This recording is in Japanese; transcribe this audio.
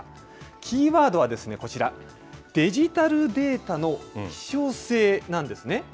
キーワードはこちら、デジタルデータの希少性なんですね。